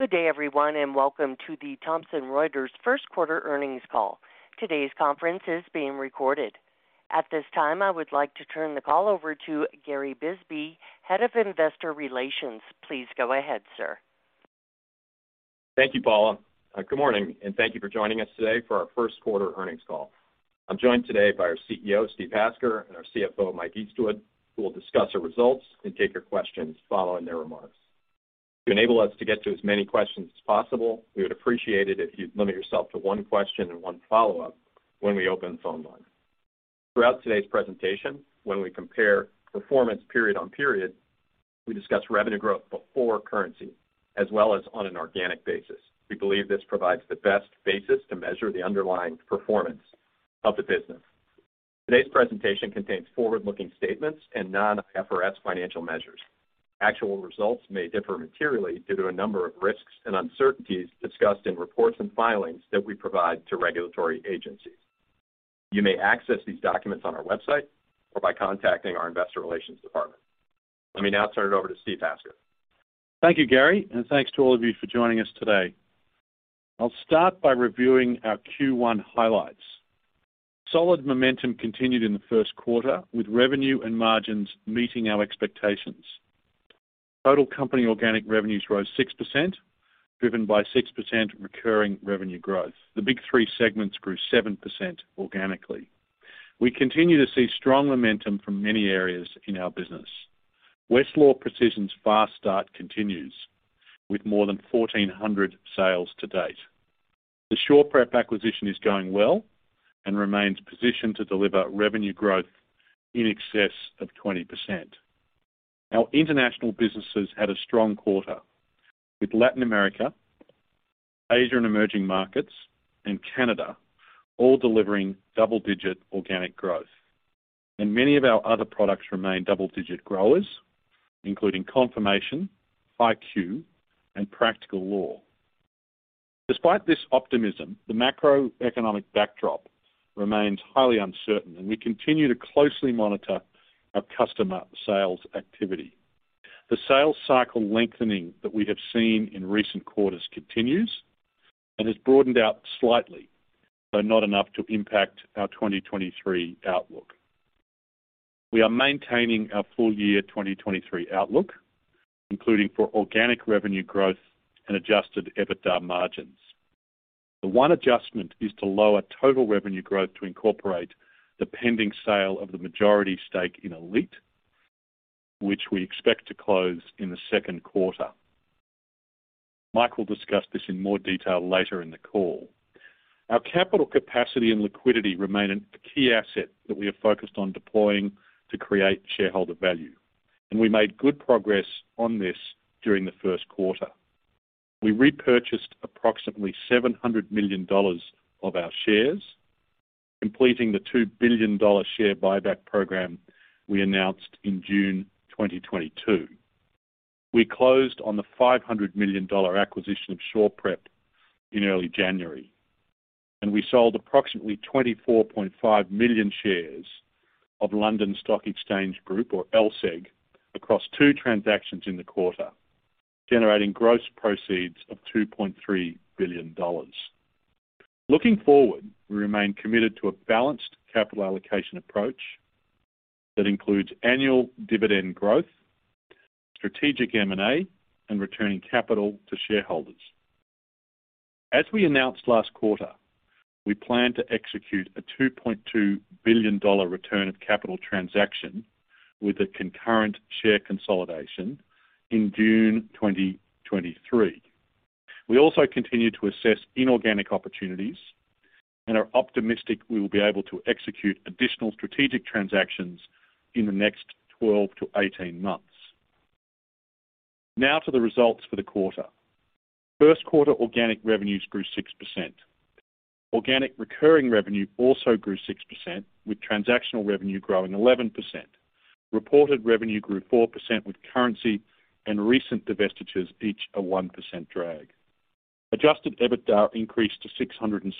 Good day, everyone. Welcome to the Thomson Reuters first quarter earnings call. Today's conference is being recorded. At this time, I would like to turn the call over to Gary Bisbee, Head of Investor Relations. Please go ahead, sir. Thank you, Paula. Good morning, thank you for joining us today for our first quarter earnings call. I'm joined today by our CEO, Steve Hasker, and our CFO, Mike Eastwood, who will discuss our results and take your questions following their remarks. To enable us to get to as many questions as possible, we would appreciate it if you'd limit yourself to one question and one follow-up when we open the phone lines. Throughout today's presentation, when we compare performance period on period, we discuss revenue growth before currency as well as on an organic basis. We believe this provides the best basis to measure the underlying performance of the business. Today's presentation contains forward-looking statements and non-FRF financial measures. Actual results may differ materially due to a number of risks and uncertainties discussed in reports and filings that we provide to regulatory agencies. You may access these documents on our website or by contacting our investor relations department. Let me now turn it over to Steve Hasker. Thank you, Gary Bisbee, and thanks to all of you for joining us today. I'll start by reviewing our Q1 highlights. Solid momentum continued in the first quarter, with revenue and margins meeting our expectations. Total company organic revenues rose 6%, driven by 6% recurring revenue growth. The Big three segments grew 7% organically. We continue to see strong momentum from many areas in our business. Westlaw Precision's fast start continues with more than 1,400 sales to date. The SurePrep acquisition is going well and remains positioned to deliver revenue growth in excess of 20%. Our international businesses had a strong quarter, with Latin America, Asia and emerging markets, and Canada all delivering double-digit organic growth. Many of our other products remain double-digit growers, including Confirmation, IQ, and Practical Law. Despite this optimism, the macroeconomic backdrop remains highly uncertain and we continue to closely monitor our customer sales activity. The sales cycle lengthening that we have seen in recent quarters continues and has broadened out slightly, though not enough to impact our 2023 outlook. We are maintaining our full year 2023 outlook, including for organic revenue growth and adjusted EBITDA margins. The one adjustment is to lower total revenue growth to incorporate the pending sale of the majority stake in Elite, which we expect to close in the second quarter. Mike will discuss this in more detail later in the call. Our capital capacity and liquidity remain a key asset that we are focused on deploying to create shareholder value, and we made good progress on this during the first quarter. We repurchased approximately $700 million of our shares, completing the $2 billion share buyback program we announced in June 2022. We closed on the $500 million acquisition of SurePrep in early January. We sold approximately 24.5 million shares of London Stock Exchange Group, or LSEG, across two transactions in the quarter, generating gross proceeds of $2.3 billion. Looking forward, we remain committed to a balanced capital allocation approach that includes annual dividend growth, strategic M&A, and returning capital to shareholders. As we announced last quarter, we plan to execute a $2.2 billion return of capital transaction with a concurrent share consolidation in June 2023. We also continue to assess inorganic opportunities and are optimistic we will be able to execute additional strategic transactions in the next 12 months-18 months. Now to the results for the quarter. First quarter organic revenues grew 6%. Organic recurring revenue also grew 6%, with transactional revenue growing 11%. Reported revenue grew 4%, with currency and recent divestitures each a 1% drag. Adjusted EBITDA increased to $677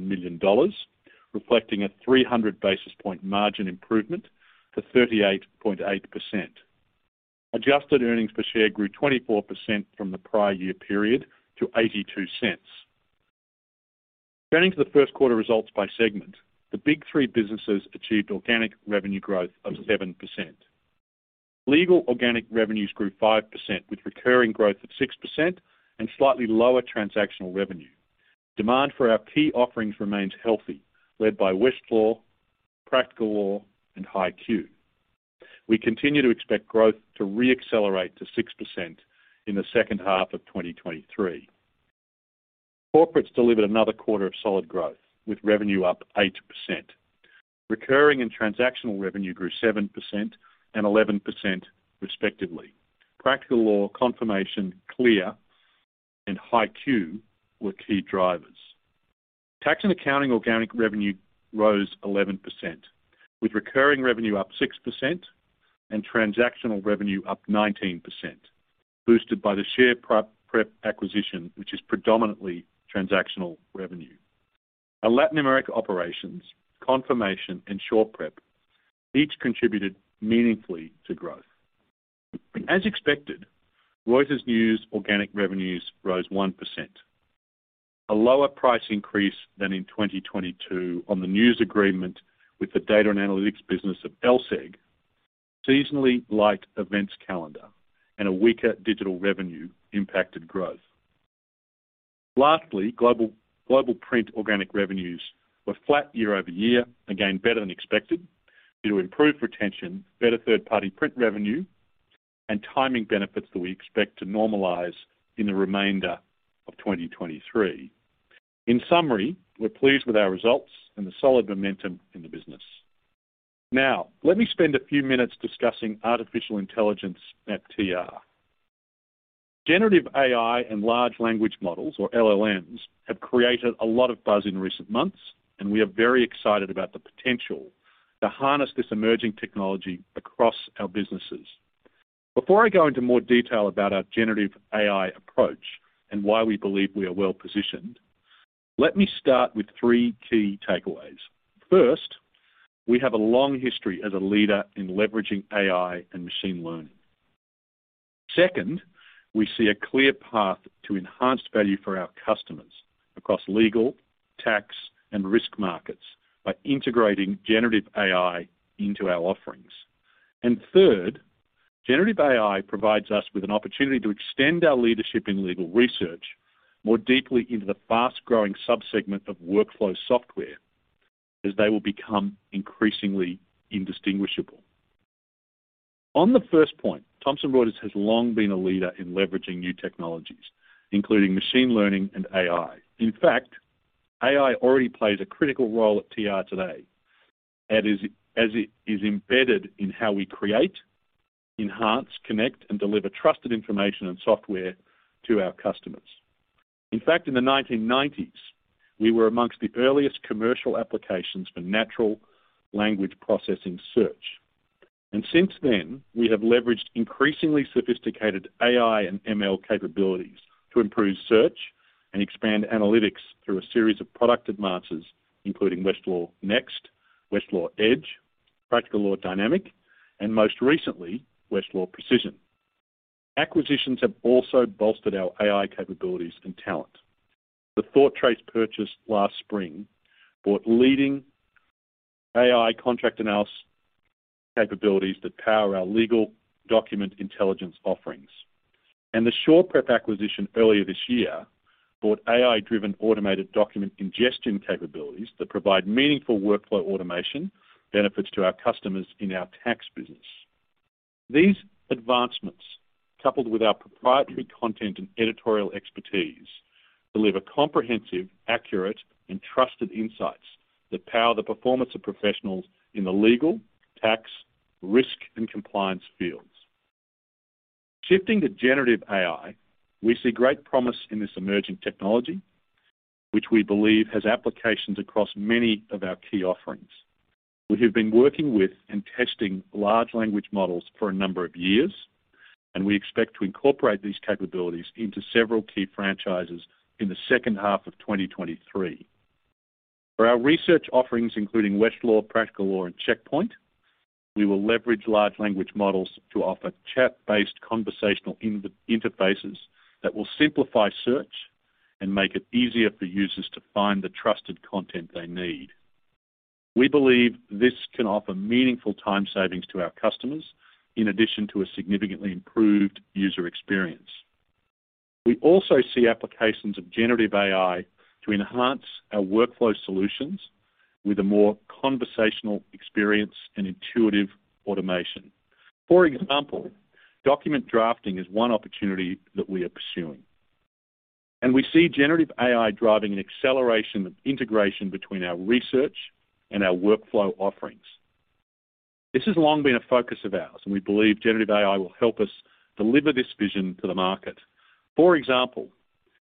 million, reflecting a 300 basis point margin improvement to 38.8%. Adjusted earnings per share grew 24% from the prior year period to $0.82. Turning to the first quarter results by segment, the Big three businesses achieved organic revenue growth of 7%. Legal organic revenues grew 5%, with recurring growth of 6% and slightly lower transactional revenue. Demand for our key offerings remains healthy, led by Westlaw, Practical Law, and HighQ. We continue to expect growth to re-accelerate to 6% in the second half of 2023. Corporates delivered another quarter of solid growth, with revenue up 8%. Recurring and transactional revenue grew 7% and 11% respectively. Practical Law, Confirmation, CLEAR, and HighQ were key drivers. Tax and accounting organic revenue rose 11%, with recurring revenue up 6% and transactional revenue up 19%, boosted by the SurePrep acquisition, which is predominantly transactional revenue. Our Latin America operations, Confirmation and SurePrep each contributed meaningfully to growth. As expected, Reuters News organic revenues rose 1%, a lower price increase than in 2022 on the news agreement with the data and analytics business of LSEG, seasonally light events calendar, and a weaker digital revenue impacted growth. Lastly, Global Print organic revenues were flat year-over-year, again better than expected due to improved retention, better third-party print revenue, and timing benefits that we expect to normalize in the remainder of 2023. In summary, we're pleased with our results and the solid momentum in the business. Let me spend a few minutes discussing artificial intelligence at TR. Generative AI and large language models, or LLMs, have created a lot of buzz in recent months. We are very excited about the potential to harness this emerging technology across our businesses. Before I go into more detail about our generative AI approach and why we believe we are well-positioned, let me start with three key takeaways. First, we have a long history as a leader in leveraging AI and machine learning. Second, we see a clear path to enhanced value for our customers across legal, tax, and risk markets by integrating generative AI into our offerings. Third, generative AI provides us with an opportunity to extend our leadership in legal research more deeply into the fast-growing sub-segment of workflow software as they will become increasingly indistinguishable. On the first point, Thomson Reuters has long been a leader in leveraging new technologies, including machine learning and AI. In fact, AI already plays a critical role at TR today, as it is embedded in how we create, enhance, connect, and deliver trusted information and software to our customers. In fact, in the 1990s, we were amongst the earliest commercial applications for natural language processing search. Since then, we have leveraged increasingly sophisticated AI and ML capabilities to improve search and expand analytics through a series of product advances, including Westlaw Next, Westlaw Edge, Practical Law Dynamic, and most recently, Westlaw Precision. Acquisitions have also bolstered our AI capabilities and talent. The ThoughtTrace purchase last spring brought leading AI contract analysis capabilities that power our legal document intelligence offerings. The SurePrep acquisition earlier this year brought AI-driven automated document ingestion capabilities that provide meaningful workflow automation benefits to our customers in our tax business. These advancements, coupled with our proprietary content and editorial expertise, deliver comprehensive, accurate, and trusted insights that power the performance of professionals in the legal, tax, risk, and compliance fields. Shifting to generative AI, we see great promise in this emerging technology, which we believe has applications across many of our key offerings. We have been working with and testing large language models for a number of years. We expect to incorporate these capabilities into several key franchises in the second half of 2023. For our research offerings, including Westlaw, Practical Law, and Checkpoint, we will leverage large language models to offer chat-based conversational inter-interfaces that will simplify search and make it easier for users to find the trusted content they need. We believe this can offer meaningful time savings to our customers in addition to a significantly improved user experience. We also see applications of generative AI to enhance our workflow solutions with a more conversational experience and intuitive automation. For example, document drafting is one opportunity that we are pursuing. We see generative AI driving an acceleration of integration between our research and our workflow offerings. This has long been a focus of ours, and we believe generative AI will help us deliver this vision to the market. For example,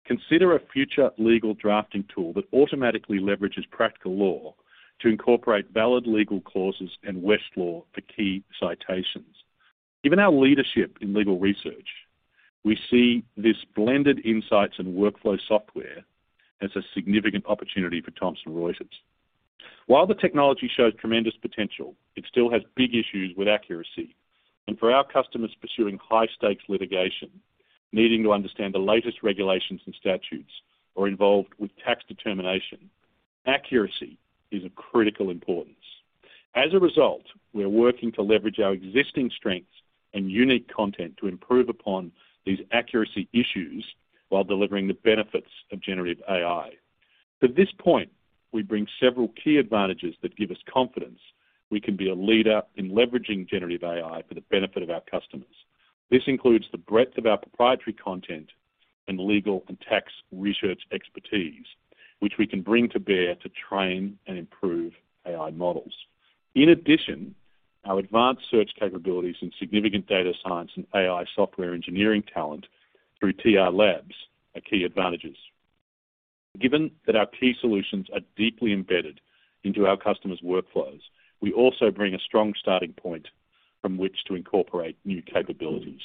consider a future legal drafting tool that automatically leverages Practical Law to incorporate valid legal clauses in Westlaw for key citations. Given our leadership in legal research, we see this blended insights and workflow software as a significant opportunity for Thomson Reuters. While the technology shows tremendous potential, it still has big issues with accuracy. For our customers pursuing high-stakes litigation, needing to understand the latest regulations and statutes are involved with tax determination, accuracy is of critical importance. As a result, we are working to leverage our existing strengths and unique content to improve upon these accuracy issues while delivering the benefits of generative AI. To this point, we bring several key advantages that give us confidence we can be a leader in leveraging generative AI for the benefit of our customers. This includes the breadth of our proprietary content and legal and tax research expertise, which we can bring to bear to train and improve AI models. In addition, our advanced search capabilities and significant data science and AI software engineering talent through TR Labs are key advantages. Given that our key solutions are deeply embedded into our customers' workflows, we also bring a strong starting point from which to incorporate new capabilities.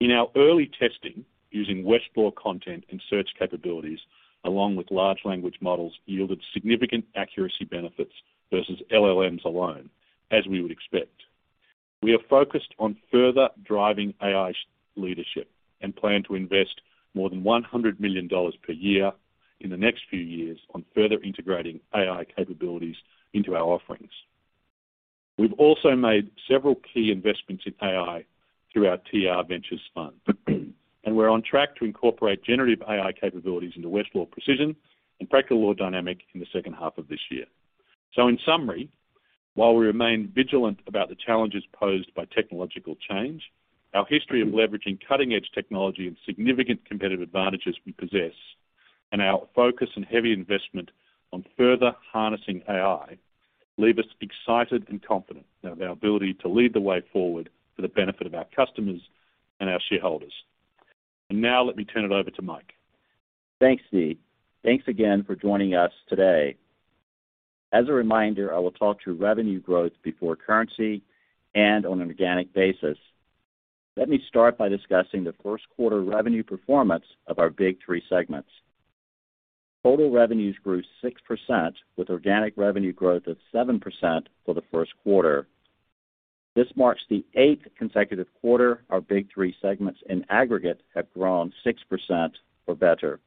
In our early testing, using Westlaw content and search capabilities, along with large language models, yielded significant accuracy benefits versus LLMs alone, as we would expect. We are focused on further driving AI leadership and plan to invest more than $100 million per year in the next few years on further integrating AI capabilities into our offerings. We've also made several key investments in AI through our TR Ventures fund, and we're on track to incorporate generative AI capabilities into Westlaw Precision and Practical Law Dynamic in the second half of this year. In summary, while we remain vigilant about the challenges posed by technological change, our history of leveraging cutting-edge technology and significant competitive advantages we possess, and our focus and heavy investment on further harnessing AI leave us excited and confident about our ability to lead the way forward for the benefit of our customers and our shareholders. Now let me turn it over to Mike. Thanks, Steve. Thanks again for joining us today. As a reminder, I will talk to revenue growth before currency and on an organic basis. Let me start by discussing the first quarter revenue performance of our Big three segments. Total revenues grew 6%, with organic revenue growth of 7% for the first quarter. This marks the eighth consecutive quarter our Big three segments in aggregate have grown 6% or better.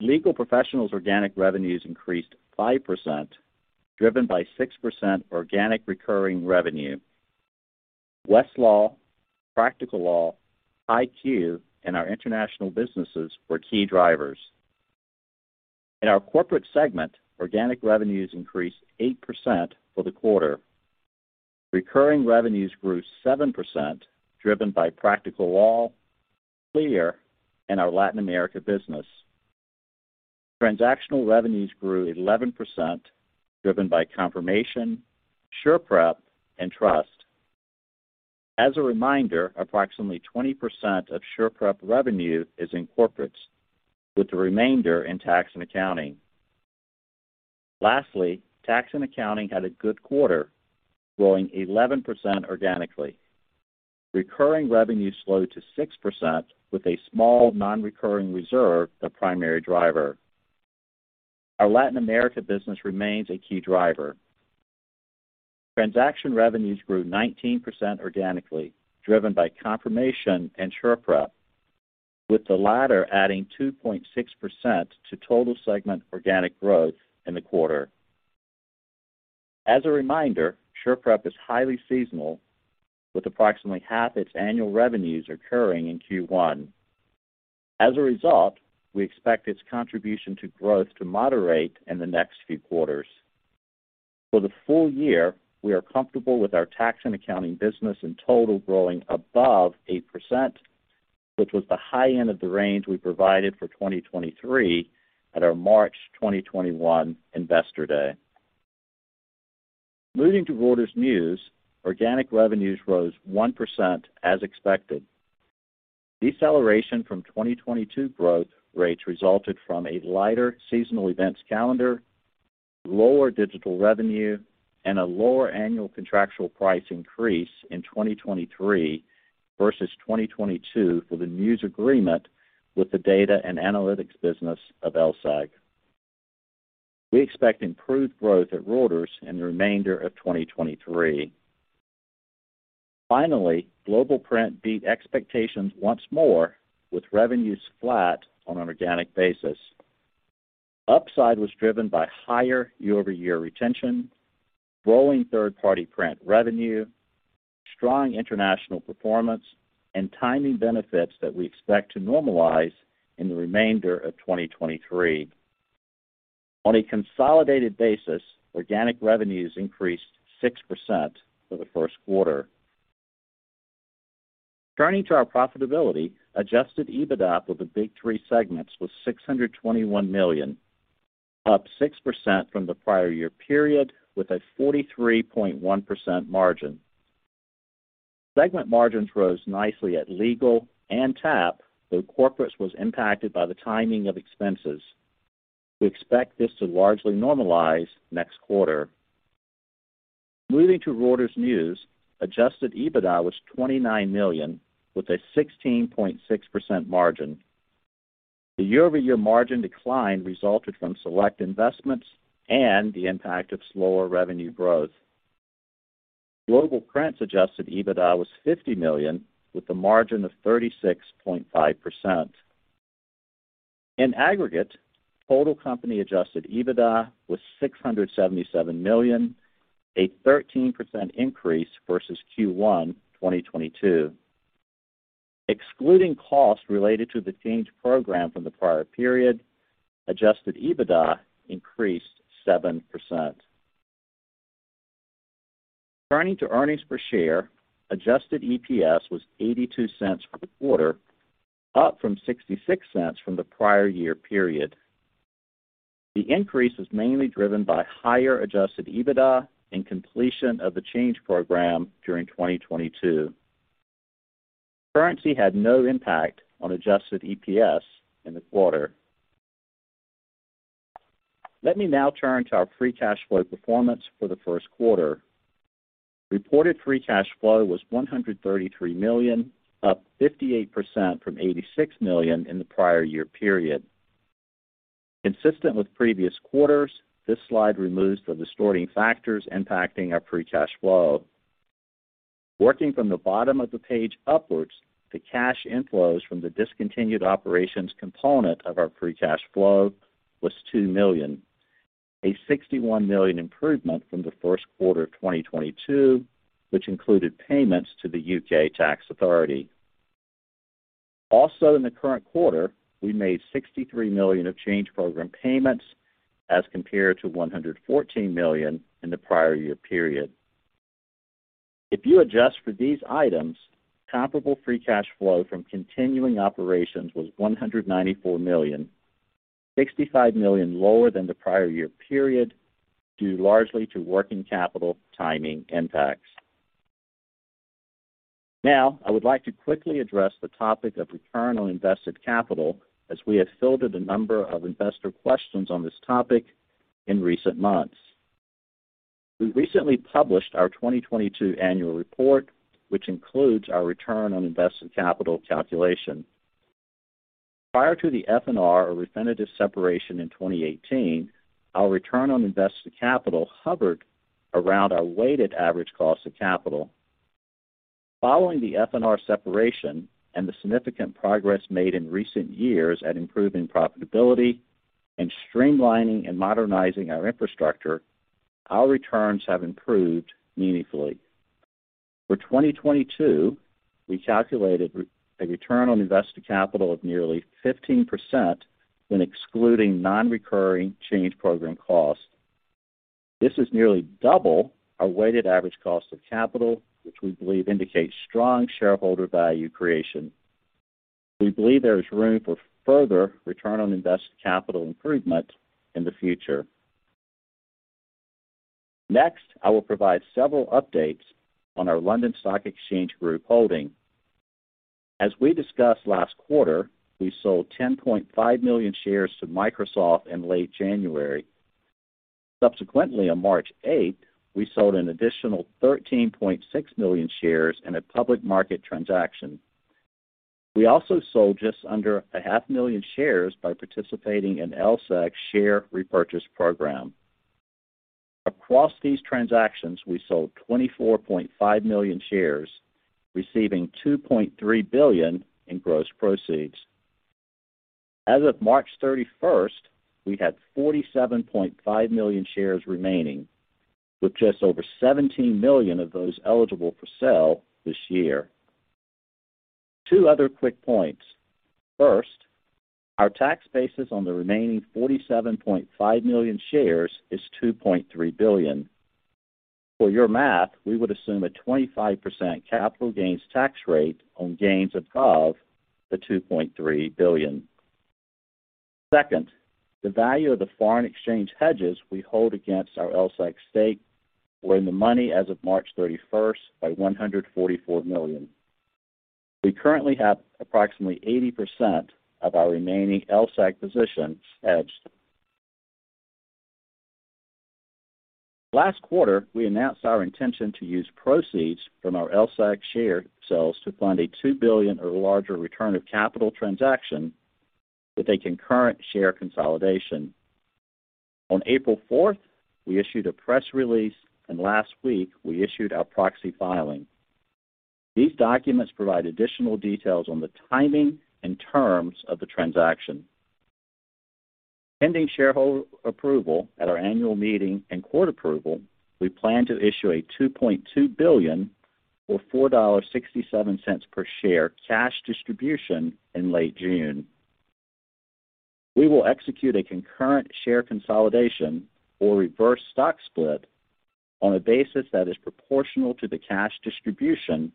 Legal Professionals organic revenues increased 5%, driven by 6% organic recurring revenue. Westlaw, Practical Law, IQ, and our international businesses were key drivers. In our Corporates segment, organic revenues increased 8% for the quarter. Recurring revenues grew 7%, driven by Practical Law, CLEAR, and our Latin America business. Transactional revenues grew 11%, driven by Confirmation, SurePrep, and Trust. As a reminder, approximately 20% of SurePrep revenue is in Corporates, with the remainder in Tax & Accounting. Tax & Accounting had a good quarter, growing 11% organically. Recurring revenue slowed to 6%, with a small non-recurring reserve, the primary driver. Our Latin America business remains a key driver. Transaction revenues grew 19% organically, driven by Confirmation and SurePrep, with the latter adding 2.6% to total segment organic growth in the quarter. As a reminder, SurePrep is highly seasonal, with approximately half its annual revenues occurring in Q1. We expect its contribution to growth to moderate in the next few quarters. For the full year, we are comfortable with our Tax & Accounting business in total growing above 8%, which was the high end of the range we provided for 2023 at our March 2021 investor day. Moving to Reuters News, organic revenues rose 1% as expected. Deceleration from 2022 growth rates resulted from a lighter seasonal events calendar, lower digital revenue, and a lower annual contractual price increase in 2023 versus 2022 for the news agreement with the data and analytics business of LSEG. We expect improved growth at Reuters in the remainder of 2023. Global Print beat expectations once more, with revenues flat on an organic basis. Upside was driven by higher year-over-year retention, growing third-party print revenue, strong international performance, and timing benefits that we expect to normalize in the remainder of 2023. On a consolidated basis, organic revenues increased 6% for the first quarter. Turning to our profitability, adjusted EBITDA for the Big three segments was $621 million, up 6% from the prior year period with a 43.1% margin. Segment margins rose nicely at Legal and TAP, though Corporates was impacted by the timing of expenses. We expect this to largely normalize next quarter. Moving to Reuters News, adjusted EBITDA was $29 million with a 16.6% margin. The year-over-year margin decline resulted from select investments and the impact of slower revenue growth. Global Print's adjusted EBITDA was $50 million, with a margin of 36.5%. In aggregate, total company adjusted EBITDA was $677 million, a 13% increase versus Q1 2022. Excluding costs related to the Change program from the prior period, adjusted EBITDA increased 7%. Turning to earnings per share, adjusted EPS was $0.82 per quarter, up from $0.66 from the prior year period. The increase was mainly driven by higher adjusted EBITDA and completion of the Change Program during 2022. Currency had no impact on adjusted EPS in the quarter. Let me now turn to our free cash flow performance for the first quarter. Reported free cash flow was $133 million, up 58% from $86 million in the prior year period. Consistent with previous quarters, this slide removes the distorting factors impacting our free cash flow. Working from the bottom of the page upwards, the cash inflows from the discontinued operations component of our free cash flow was $2 million, a $61 million improvement from the first quarter of 2022, which included payments to the UK tax authority. In the current quarter, we made $63 million of Change Program payments as compared to $114 million in the prior year period. If you adjust for these items, comparable free cash flow from continuing operations was $194 million, $65 million lower than the prior year period, due largely to working capital timing impacts. I would like to quickly address the topic of return on invested capital as we have fielded a number of investor questions on this topic in recent months. We recently published our 2022 annual report, which includes our return on invested capital calculation. Prior to the F&R or Refinitiv separation in 2018, our return on invested capital hovered around our weighted average cost of capital. Following the F&R separation and the significant progress made in recent years at improving profitability and streamlining and modernizing our infrastructure, our returns have improved meaningfully. For 2022, we calculated a return on invested capital of nearly 15% when excluding non-recurring Change Program costs. This is nearly double our weighted average cost of capital, which we believe indicates strong shareholder value creation. We believe there is room for further return on invested capital improvement in the future. Next, I will provide several updates on our London Stock Exchange Group holding. As we discussed last quarter, we sold 10.5 million shares to Microsoft in late January. Subsequently, on March eighth, we sold an additional 13.6 million shares in a public market transaction. We also sold just under a half million shares by participating in LSEG's share repurchase program. Across these transactions, we sold 24.5 million shares, receiving $2.3 billion in gross proceeds. As of March 31st, we had 47.5 million shares remaining, with just over 17 million of those eligible for sale this year. Two other quick points. First, our tax basis on the remaining 47.5 million shares is $2.3 billion. For your math, we would assume a 25% capital gains tax rate on gains above the $2.3 billion. Second, the value of the foreign exchange hedges we hold against our LSEG stake were in the money as of March 31st by 144 million. We currently have approximately 80% of our remaining LSEG position hedged. Last quarter, we announced our intention to use proceeds from our LSEG share sales to fund a $2 billion or larger return of capital transaction with a concurrent share consolidation. On April fourth, we issued a press release. Last week we issued our proxy filing. These documents provide additional details on the timing and terms of the transaction. Pending shareholder approval at our annual meeting and court approval, we plan to issue a $2.2 billion or $4.67 per share cash distribution in late June. We will execute a concurrent share consolidation or reverse stock split on a basis that is proportional to the cash distribution,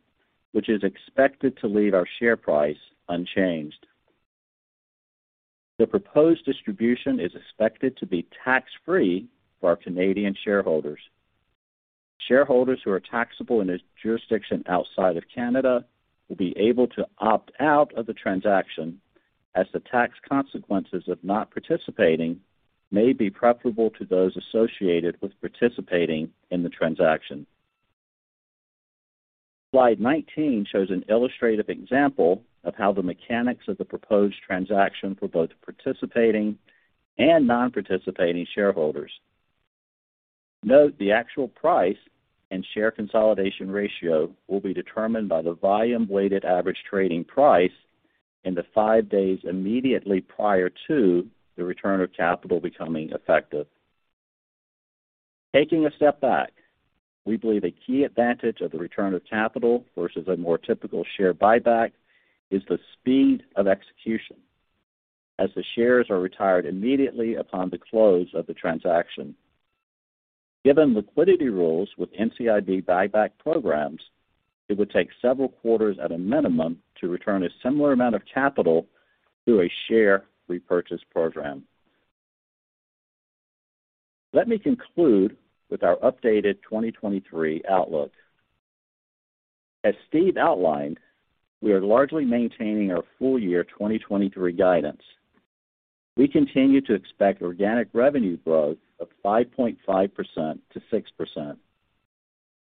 which is expected to leave our share price unchanged. The proposed distribution is expected to be tax-free for our Canadian shareholders. Shareholders who are taxable in a jurisdiction outside of Canada will be able to opt out of the transaction, as the tax consequences of not participating may be preferable to those associated with participating in the transaction. Slide 19 shows an illustrative example of how the mechanics of the proposed transaction for both participating and non-participating shareholders. Note the actual price and share consolidation ratio will be determined by the volume-weighted average trading price in the five days immediately prior to the return of capital becoming effective. Taking a step back, we believe a key advantage of the return of capital versus a more typical share buyback is the speed of execution, as the shares are retired immediately upon the close of the transaction. Given liquidity rules with NCIB buyback programs, it would take several quarters at a minimum to return a similar amount of capital through a share repurchase program. Let me conclude with our updated 2023 outlook. As Steve outlined, we are largely maintaining our full year 2023 guidance. We continue to expect organic revenue growth of 5.5%-6%,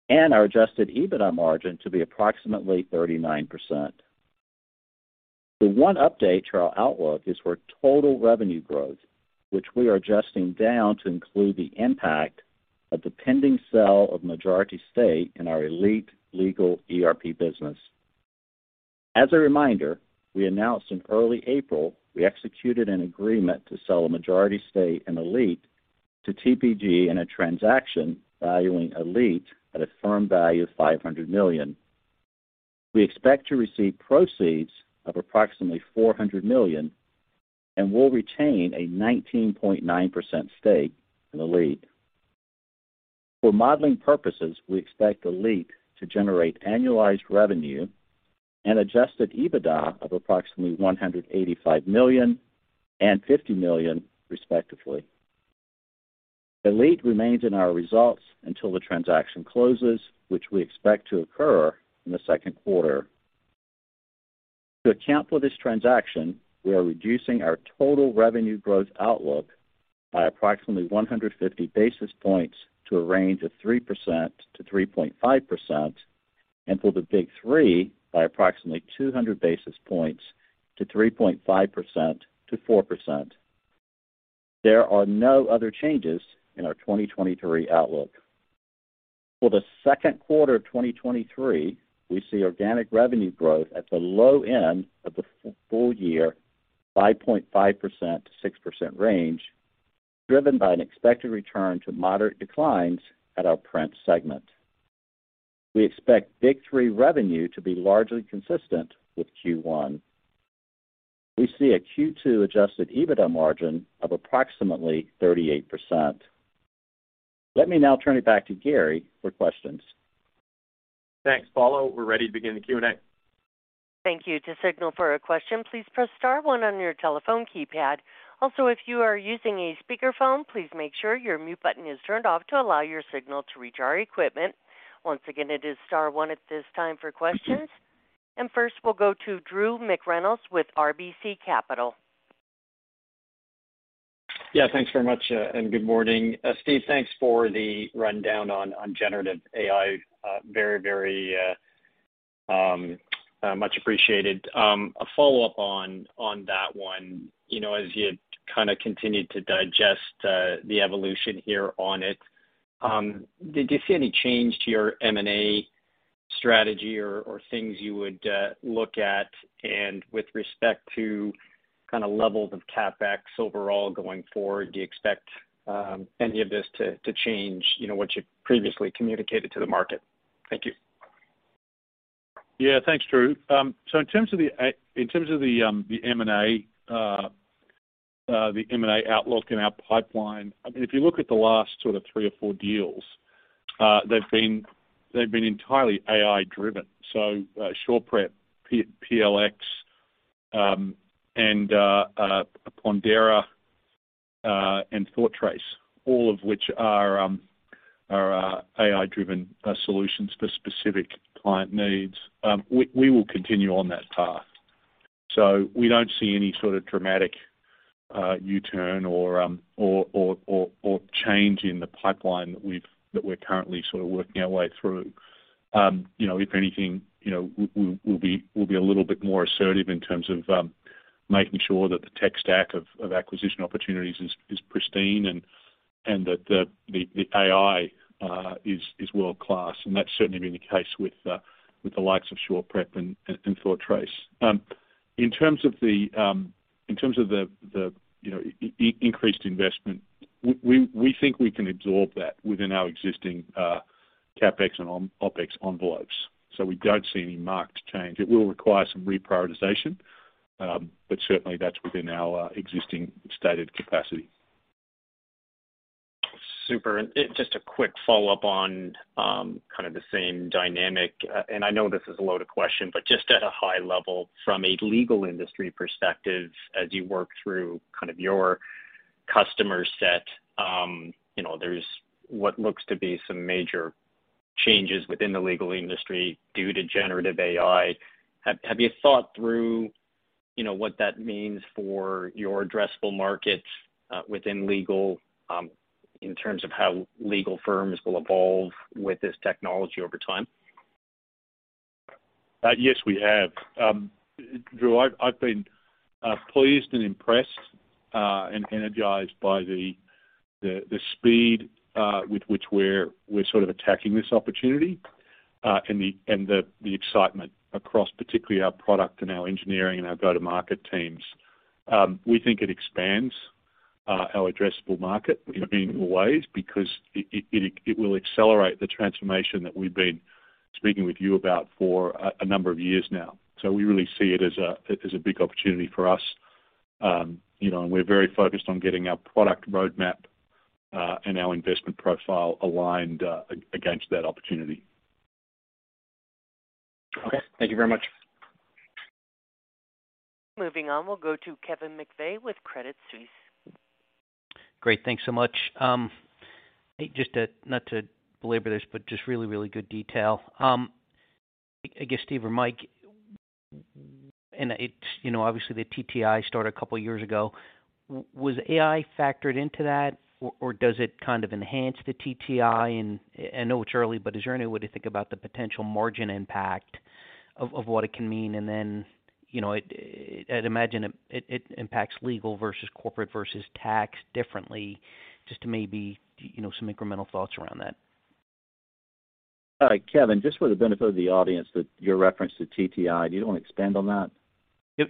and our adjusted EBITDA margin to be approximately 39%. The one update to our outlook is for total revenue growth, which we are adjusting down to include the impact of the pending sale of majority state in our Elite Legal ERP business. As a reminder, we announced in early April, we executed an agreement to sell a majority state in Elite to TPG in a transaction valuing Elite at a firm value of $500 million. We expect to receive proceeds of approximately $400 million and will retain a 19.9% stake in Elite. For modeling purposes, we expect Elite to generate annualized revenue and adjusted EBITDA of approximately $185 million and $50 million, respectively. Elite remains in our results until the transaction closes, which we expect to occur in the second quarter. To account for this transaction, we are reducing our total revenue growth outlook by approximately 150 basis points to a range of 3%-3.5%, and for the Big Three by approximately 200 basis points to 3.5%-4%. There are no other changes in our 2023 outlook. For the second quarter of 2023, we see organic revenue growth at the low end of the full year, 5.5%-6% range, driven by an expected return to moderate declines at our print segment. We expect Big Three revenue to be largely consistent with Q1. We see a Q2 adjusted EBITDA margin of approximately 38%. Let me now turn it back to Gary for questions. Thanks, Paula. We're ready to begin the Q&A. Thank you. To signal for a question, please press star one on your telephone keypad. Also, if you are using a speakerphone, please make sure your mute button is turned off to allow your signal to reach our equipment. Once again, it is star one at this time for questions. First, we'll go to Drew McReynolds with RBC Capital. Yeah. Thanks very much, and good morning. Steve, thanks for the rundown on generative AI. Very much appreciated. A follow-up on that one. You know, as you kinda continue to digest the evolution here on it, did you see any change to your M&A strategy or things you would look at? With respect to kinda levels of CapEx overall going forward, do you expect any of this to change, you know, what you previously communicated to the market? Thank you. Yeah, thanks, Drew. In terms of the M&A outlook in our pipeline, I mean, if you look at the last three or four deals, they've been entirely AI-driven. SurePrep, PLX AI, Pondera, and ThoughtTrace, all of which are AI-driven solutions for specific client needs. We will continue on that path. We don't see any sort of dramatic U-turn or change in the pipeline that we're currently sorta working our way through. you know, if anything, you know, we'll be a little bit more assertive in terms of making sure that the tech stack of acquisition opportunities is pristine and that the AI is world-class. That's certainly been the case with the likes of SurePrep and ThoughtTrace. In terms of the, you know, increased investment, we think we can absorb that within our existing CapEx and OpEx envelopes. We don't see any marked change. It will require some reprioritization, but certainly that's within our existing stated capacity. Super. Just a quick follow-up on, kinda the same dynamic. I know this is a loaded question, but just at a high level, from a legal industry perspective, as you work through kind of your customer set, you know, there's what looks to be some major changes within the legal industry due to generative AI. Have you thought through, you know, what that means for your addressable markets within legal, in terms of how legal firms will evolve with this technology over time? Yes, we have. Drew, I've been pleased and impressed and energized by the speed with which we're sort of attacking this opportunity and the excitement across particularly our product and our engineering and our go-to-market teams. We think it expands our addressable market in meaningful ways because it will accelerate the transformation that we've been speaking with you about for a number of years now. We really see it as a big opportunity for us. You know, and we're very focused on getting our product roadmap and our investment profile aligned against that opportunity. Okay. Thank you very much. Moving on, we'll go to Kevin McVeigh with Credit Suisse. Great. Thanks so much. Just not to belabor this, but just really, really good detail. I guess, Steve or Mike, and it's, you know, obviously, the TTI started a couple of years ago. Was AI factored into that or does it kind of enhance the TTI? I know it's early, but is there any way to think about the potential margin impact of what it can mean? You know, I'd imagine it impacts legal versus corporate versus tax differently just to maybe, you know, some incremental thoughts around that. Kevin, just for the benefit of the audience that you're referenced to TTI, do you want to expand on that?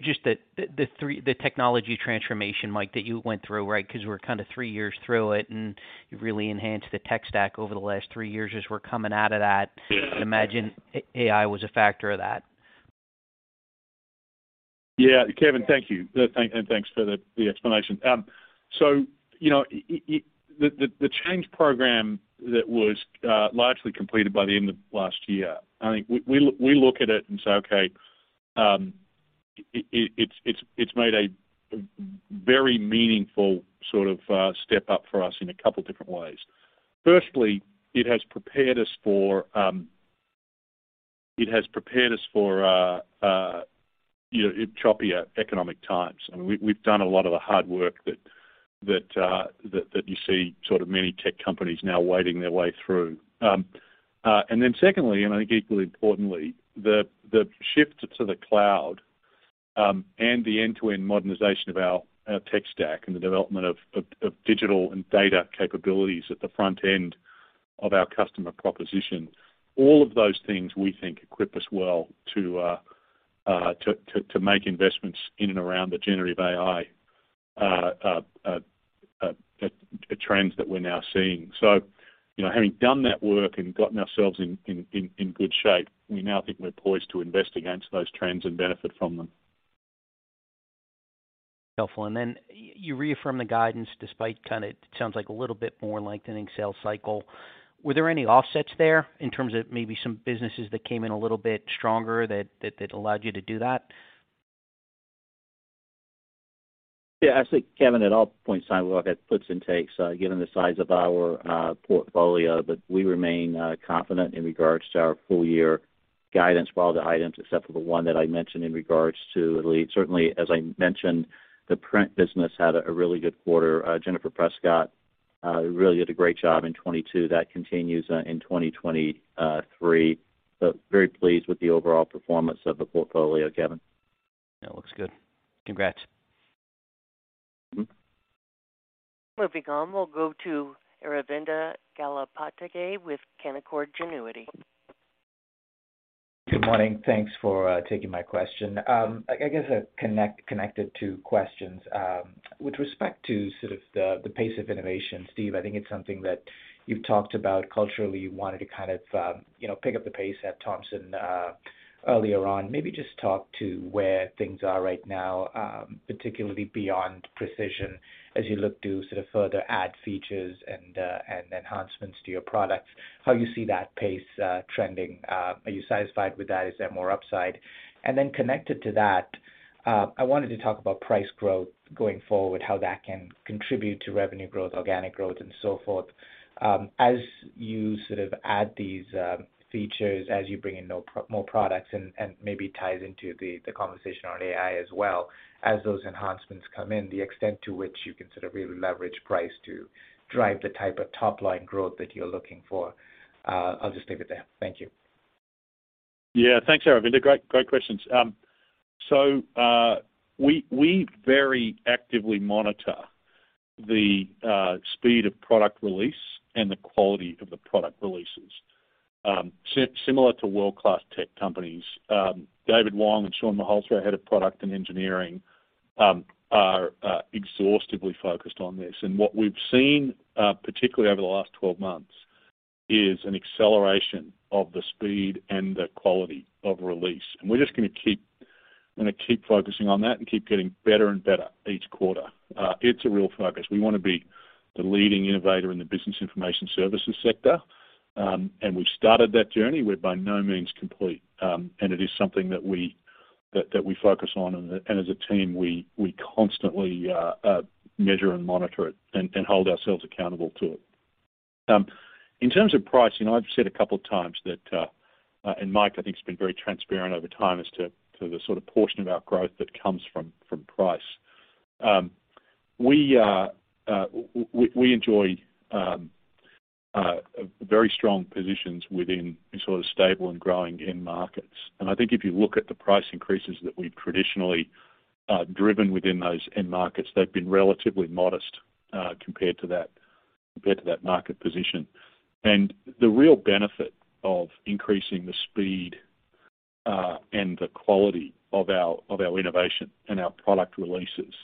Just the technology transformation, Mike, that you went through, right? We're kind of three years through it, and you've really enhanced the tech stack over the last three years as we're coming out of that. I'd imagine AI was a factor of that. Yeah, Kevin, thank you. Thanks for the explanation. You know, the Change Program that was largely completed by the end of last year. I think we look at it and say, okay, it's made a very meaningful sort of step up for us in a couple of different ways. Firstly, it has prepared us for, it has prepared us for, you know, choppier economic times. I mean, we've done a lot of the hard work that that you see sort of many tech companies now wading their way through. Then secondly, and I think equally importantly, the shift to the cloud, and the end-to-end modernization of our tech stack and the development of digital and data capabilities at the front end of our customer proposition. All of those things we think equip us well to make investments in and around the generative AI trends that we're now seeing. You know, having done that work and gotten ourselves in good shape, we now think we're poised to invest against those trends and benefit from them. Helpful. You reaffirm the guidance despite kinda it sounds like a little bit more lengthening sales cycle. Were there any offsets there in terms of maybe some businesses that came in a little bit stronger that allowed you to do that? Yeah, I think, Kevin, at all points in time, look, it puts and takes, given the size of our portfolio, but we remain confident in regards to our full year guidance. While the items, except for the one that I mentioned in regards to Elite, certainly, as I mentioned, the print business had a really good quarter. Jennifer Prescott really did a great job in 2022. That continues in 2023. Very pleased with the overall performance of the portfolio, Kevin. It looks good. Congrats. Mm-hmm. Moving on, we'll go to Aravinda Galappatthige with Canaccord Genuity. Good morning. Thanks for taking my question. I guess a connected two questions. With respect to sort of the pace of innovation, Steve, I think it's something that you've talked about culturally. You wanted to kind of, you know, pick up the pace at Thomson earlier on. Maybe just talk to where things are right now, particularly beyond Precision, as you look to sort of further add features and enhancements to your products, how you see that pace trending. Are you satisfied with that? Is there more upside? Then connected to that, I wanted to talk about price growth going forward, how that can contribute to revenue growth, organic growth, and so forth. As you sort of add these features, as you bring in more products and maybe ties into the conversation on AI as well as those enhancements come in, the extent to which you can sort of really leverage price to drive the type of top-line growth that you're looking for. I'll just leave it there. Thank you. Yeah. Thanks, Aravinda. Great, great questions. We very actively monitor the speed of product release and the quality of the product releases. Similar to world-class tech companies, David Wong and Shawn Malhotra, Head of Product and Engineering, are exhaustively focused on this. What we've seen, particularly over the last 12 months, is an acceleration of the speed and the quality of release. We're just gonna keep focusing on that and keep getting better and better each quarter. It's a real focus. We wanna be the leading innovator in the business information services sector. We've started that journey. We're by no means complete, and it is something that we focus on. As a team, we constantly measure and monitor it and hold ourselves accountable to it. In terms of pricing, I've said a couple of times that Mike, I think, has been very transparent over time as to the sort of portion of our growth that comes from price. We are, we enjoy very strong positions within these sort of stable and growing end markets. I think if you look at the price increases that we've traditionally driven within those end markets, they've been relatively modest compared to that market position. The real benefit of increasing the speed and the quality of our innovation and our product releases,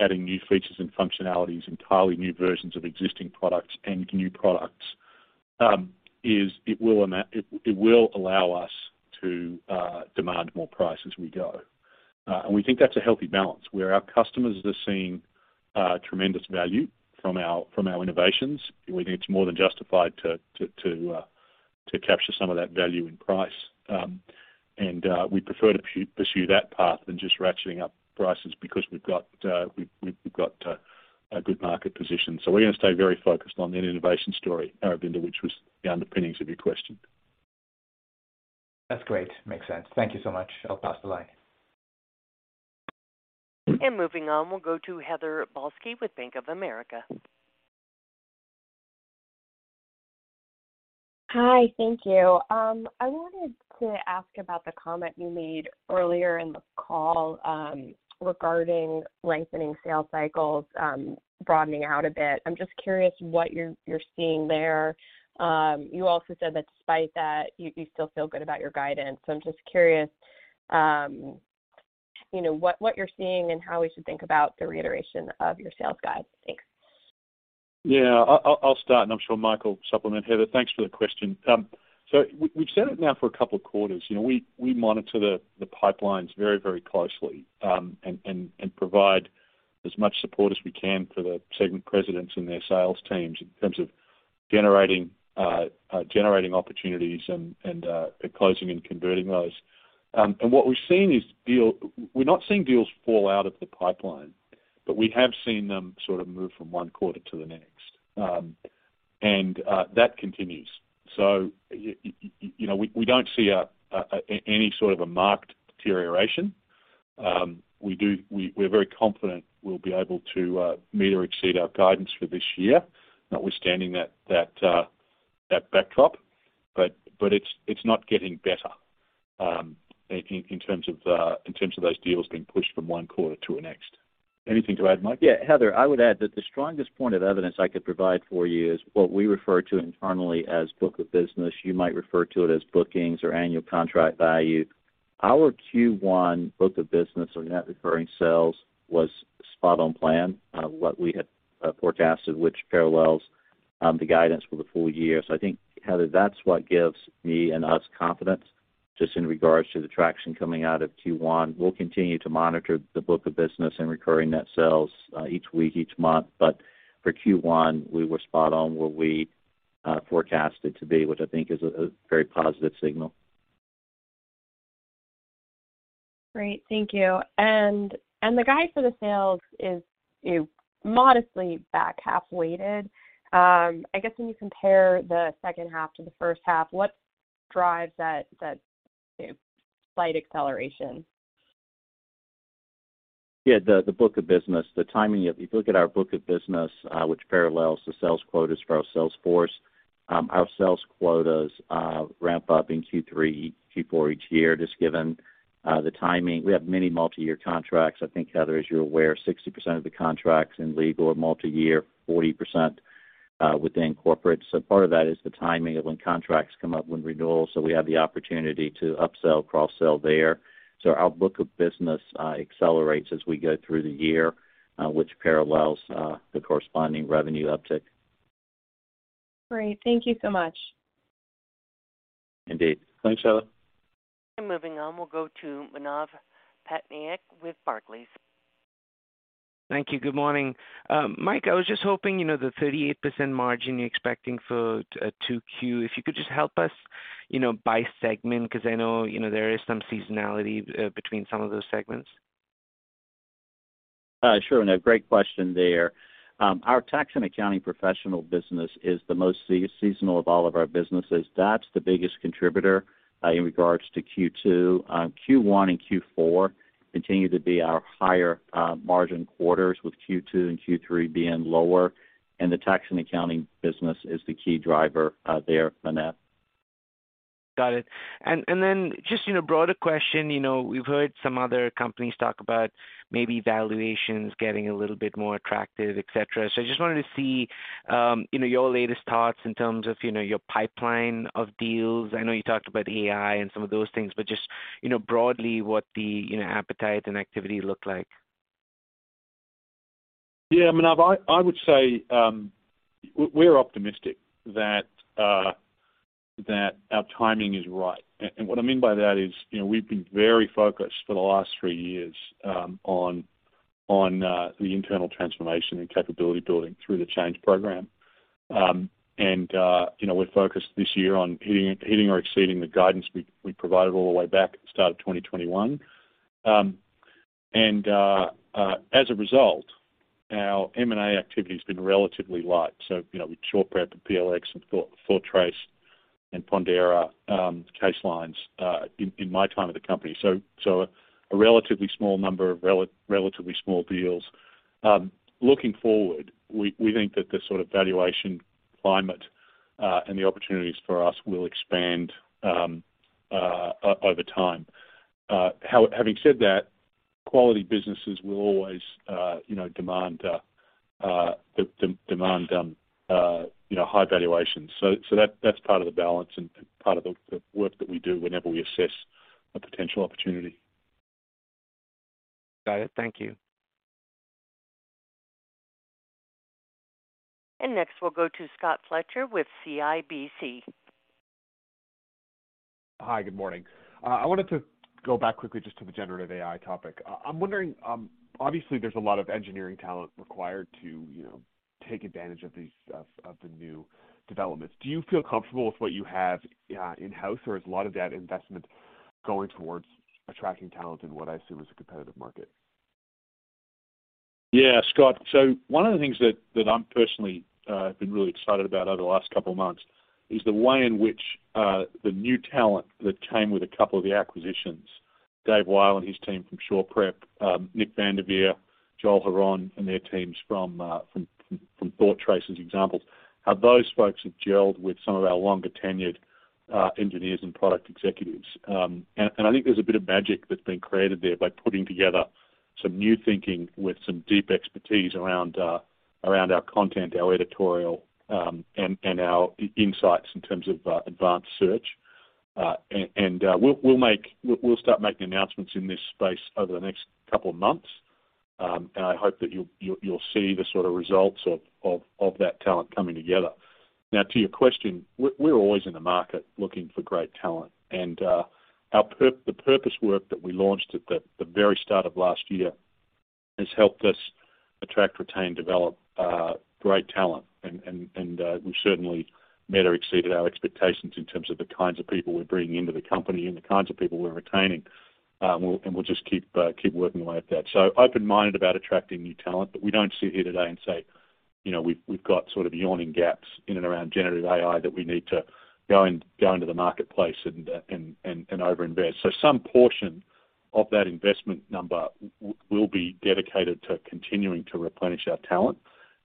adding new features and functionalities, entirely new versions of existing products and new products, is it will allow us to demand more price as we go. We think that's a healthy balance where our customers are seeing tremendous value from our innovations. We think it's more than justified to capture some of that value in price. We prefer to pursue that path than just ratcheting up prices because we've got a good market position. We're gonna stay very focused on the innovation story, Aravinda, which was the underpinnings of your question. That's great. Makes sense. Thank you so much. I'll pass the line. Moving on, we'll go to Heather Balsky with Bank of America. Hi. Thank you. I wanted to ask about the comment you made earlier in the call regarding lengthening sales cycles, broadening out a bit. I'm just curious what you're seeing there. You also said that despite that, you still feel good about your guidance. I'm just curious, you know, what you're seeing and how we should think about the reiteration of your sales guide. Thanks. Yeah. I'll start, I'm sure Mike will supplement. Heather, thanks for the question. We've said it now for a couple of quarters. You know, we monitor the pipelines very closely, and provide as much support as we can for the segment presidents and their sales teams in terms of generating opportunities and closing and converting those. What we've seen is we're not seeing deals fall out of the pipeline, but we have seen them sort of move from one quarter to the next. That continues. You know, we don't see any sort of a marked deterioration. We're very confident we'll be able to meet or exceed our guidance for this year, notwithstanding that backdrop. It's not getting better, in terms of, in terms of those deals being pushed from one quarter to the next. Anything to add, Mike? Heather, I would add that the strongest point of evidence I could provide for you is what we refer to internally as book of business. You might refer to it as bookings or annual contract value. Our Q1 book of business or net recurring sales was spot on plan of what we had forecasted, which parallels the guidance for the full year. I think, Heather, that's what gives me and us confidence just in regards to the traction coming out of Q1. We'll continue to monitor the book of business and recurring net sales each week, each month. For Q1, we were spot on where we forecasted to be, which I think is a very positive signal. Great. Thank you. The guide for the sales is modestly back half weighted. I guess when you compare the second half to the first half, what drives that slight acceleration? Yeah. The book of business, if you look at our book of business, which parallels the sales quotas for our sales force, our sales quotas ramp up in Q3, Q4 each year, just given the timing. We have many multi-year contracts. I think, Heather, as you're aware, 60% of the contracts in legal are multi-year, 40% within corporate. Part of that is the timing of when contracts come up when renewals. We have the opportunity to upsell, cross-sell there. Our book of business accelerates as we go through the year, which parallels the corresponding revenue uptick. Great. Thank you so much. Indeed. Thanks, Heather. Moving on, we'll go to Manav Patnaik with Barclays. Thank you. Good morning. Mike, I was just hoping, you know, the 38% margin you're expecting for 2Q, if you could just help us, you know, by segment, 'cause I know, you know, there is some seasonality between some of those segments? Sure, Manav. Great question there. Our Tax and Accounting professional business is the most seasonal of all of our businesses. That's the biggest contributor in regards to Q2. Q1 and Q4 continue to be our higher margin quarters, with Q2 and Q3 being lower, and the Tax and Accounting business is the key driver there, Manav. Got it. Then just, you know, broader question. You know, we've heard some other companies talk about maybe valuations getting a little bit more attractive, etc. I just wanted to see, you know, your latest thoughts in terms of, you know, your pipeline of deals. I know you talked about AI and some of those things, but just, you know, broadly what the, you know, appetite and activity look like. Yeah, Manav. I would say, we're optimistic that our timing is right. What I mean by that is, you know, we've been very focused for the last three years, on the internal transformation and capability building through the Change Program. You know, we're focused this year on hitting or exceeding the guidance we provided all the way back at the start of 2021. As a result, our M&A activity has been relatively light. You know, we SurePrep the PLX and ThoughtTrace and Pondera, CaseLines, in my time at the company. A relatively small number of relatively small deals. Looking forward, we think that the sort of valuation climate and the opportunities for us will expand over time. Having said that, quality businesses will always, you know, demand, you know, high valuations. That's part of the balance and part of the work that we do whenever we assess a potential opportunity. Got it. Thank you. Next, we'll go to Scott Fletcher with CIBC. Hi, good morning. I wanted to go back quickly just to the generative AI topic. I'm wondering, obviously there's a lot of engineering talent required to, you know, take advantage of these of the new developments. Do you feel comfortable with what you have in-house, or is a lot of that investment going towards attracting talent in what I assume is a competitive market? Yeah, Scott. One of the things that I'm personally been really excited about over the last couple of months is the way in which the new talent that came with a couple of the acquisitions, Dave Wyle and his team from SurePrep, Nick Vandivere, Joel Hron, and their teams from ThoughtTrace as examples, how those folks have gelled with some of our longer-tenured engineers and product executives. I think there's a bit of magic that's been created there by putting together some new thinking with some deep expertise around our content, our editorial, and our insights in terms of advanced search. We'll start making announcements in this space over the next couple of months. I hope that you'll see the sort of results of that talent coming together. To your question, we're always in the market looking for great talent. Our purpose work that we launched at the very start of last year has helped us attract, retain, develop, great talent. We certainly met or exceeded our expectations in terms of the kinds of people we're bringing into the company and the kinds of people we're retaining. We'll just keep working away at that. Open-minded about attracting new talent, but we don't sit here today and say, you know, we've got sort of yawning gaps in and around generative AI that we need to go into the marketplace and overinvest. Some portion of that investment number will be dedicated to continuing to replenish our talent,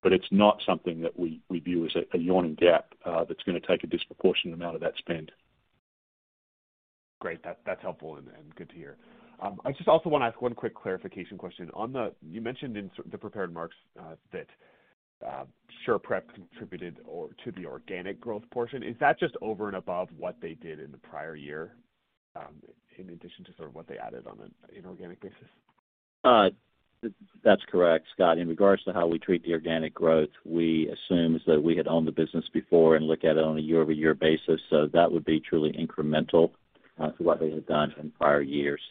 but it's not something that we view as a yawning gap that's gonna take a disproportionate amount of that spend. Great. That's helpful and good to hear. I just also wanna ask one quick clarification question. On the... You mentioned in the prepared remarks that SurePrep contributed or to the organic growth portion. Is that just over and above what they did in the prior year, in addition to sort of what they added on an inorganic basis? That's correct, Scott. In regards to how we treat the organic growth, we assume as though we had owned the business before and look at it on a year-over-year basis. That would be truly incremental to what they had done in prior years.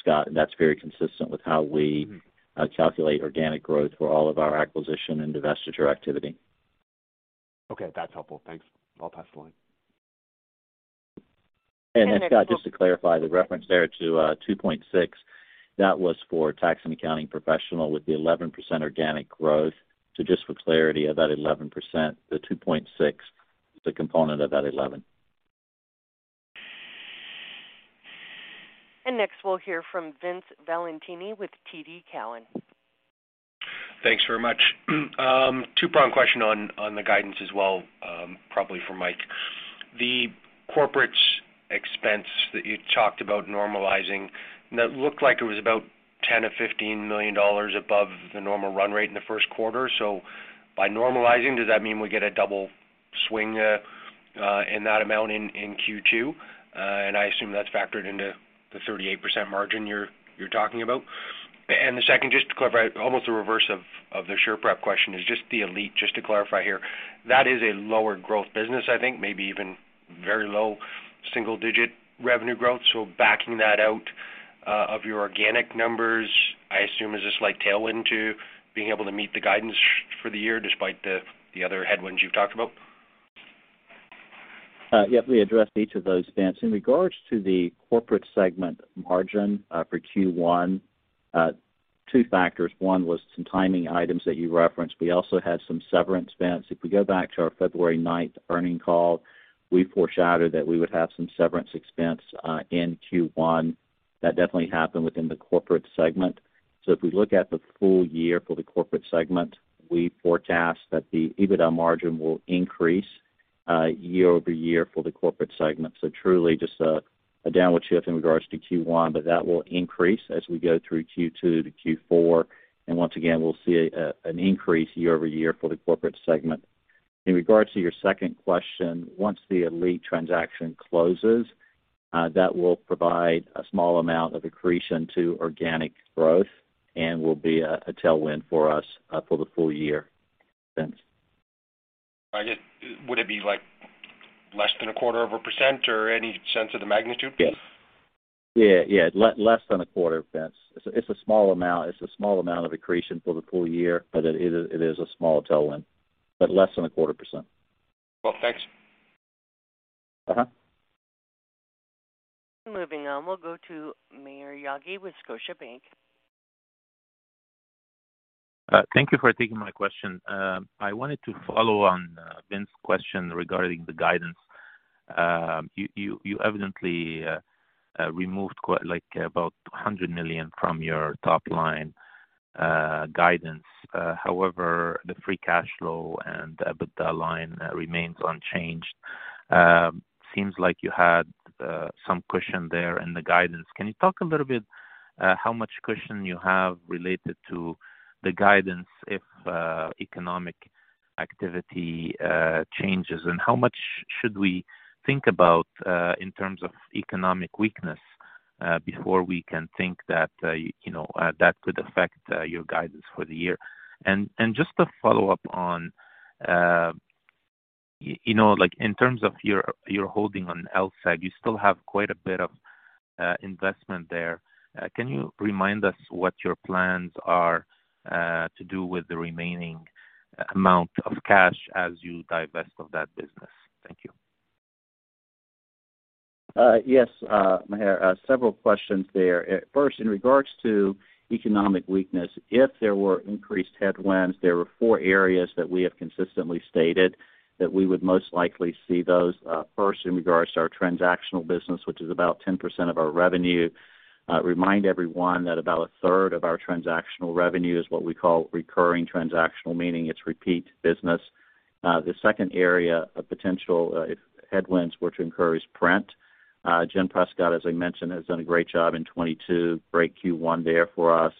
Scott, that's very consistent with how we-. Mm-hmm. calculate organic growth for all of our acquisition and divestiture activity. Okay. That's helpful. Thanks. I'll pass the line. Scott, just to clarify the reference there to 2.6%, that was for Tax & Accounting professional with the 11% organic growth. Just for clarity, of that 11%, the 2.6% is a component of that 11%. Next we'll hear from Vince Valentini with TD Cowen. Thanks very much. Two-prong question on the guidance as well, probably for Mike. The corporates expense that you talked about normalizing, that looked like it was about $10 million-$15 million above the normal run rate in the first quarter. By normalizing, does that mean we get a double swing in that amount in Q2? I assume that's factored into the 38% margin you're talking about. The second, just to clarify, almost the reverse of the SurePrep question is just the Elite, just to clarify here. That is a lower growth business I think, maybe even very low single digit revenue growth. Backing that out of your organic numbers, I assume is just like tailwind to being able to meet the guidance for the year despite the other headwinds you've talked about. Yep. Let me address each of those, Vince. In regards to the corporate segment margin, for Q1, 2 factors. One was some timing items that you referenced. We also had some severance, Vince. If we go back to our February ninth earning call, we foreshadowed that we would have some severance expense in Q1. That definitely happened within the corporate segment. If we look at the full year for the corporate segment, we forecast that the EBITDA margin will increase year-over-year for the corporate segment. Truly just a downward shift in regards to Q1, but that will increase as we go through Q2 to Q4. Once again, we'll see an increase year-over-year for the corporate segment. In regards to your second question, once the Elite transaction closes, that will provide a small amount of accretion to organic growth and will be a tailwind for us for the full year, Vince. I get. Would it be like less than a quarter of a percent or any sense of the magnitude? Yes. Yeah, yeah. less than 0.25%, Vince. It's a small amount. It's a small amount of accretion for the full year, but it is a small tailwind, but less than 0.25%. Well, thanks. Uh-huh. Moving on, we'll go to Maher Yaghi with Scotiabank. Thank you for taking my question. I wanted to follow on Vince's question regarding the guidance. You evidently removed like about $200 million from your top line guidance. However, the free cash flow and EBITDA line remains unchanged. Seems like you had some cushion there in the guidance. Can you talk a little bit how much cushion you have related to the guidance if economic activity changes? How much should we think about in terms of economic weakness? Before we can think that, you know, that could affect your guidance for the year. Just to follow up on, you know, like in terms of your holding on LSEG, you still have quite a bit of investment there. Can you remind us what your plans are to do with the remaining amount of cash as you divest of that business? Thank you. Yes, Maher. Several questions there. First, in regards to economic weakness, if there were increased headwinds, there were four areas that we have consistently stated that we would most likely see those. First, in regards to our transactional business, which is about 10% of our revenue. Remind everyone that about a third of our transactional revenue is what we call recurring transactional, meaning it's repeat business. The second area of potential headwinds, which occurs print. Jen Prescott, as I mentioned, has done a great job in 2022. Great Q1 there for us.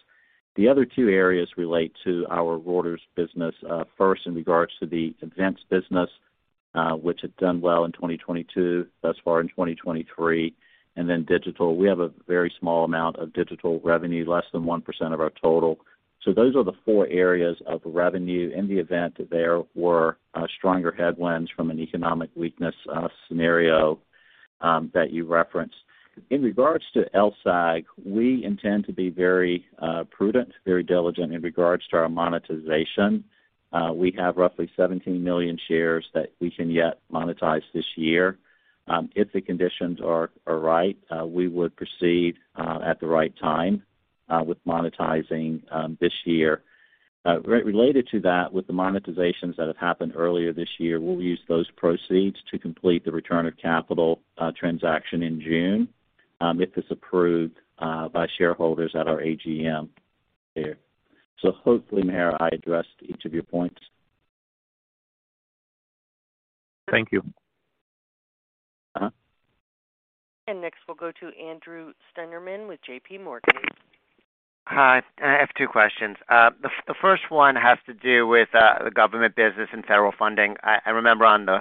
The other two areas relate to our Reuters business. First in regards to the events business, which had done well in 2022, thus far in 2023, and then digital. We have a very small amount of digital revenue, less than 1% of our total. Those are the four areas of revenue in the event that there were stronger headwinds from an economic weakness scenario that you referenced. In regards to LSEG, we intend to be very prudent, very diligent in regards to our monetization. We have roughly 17 million shares that we can yet monetize this year. If the conditions are right, we would proceed at the right time with monetizing this year. Related to that, with the monetizations that have happened earlier this year, we'll use those proceeds to complete the return of capital transaction in June, if it's approved by shareholders at our AGM there. Hopefully, Maher, I addressed each of your points. Thank you. Uh-huh. Next, we'll go to Andrew Steinerman with J.P. Morgan. Hi. I have two questions. The first one has to do with the government business and federal funding. I remember on the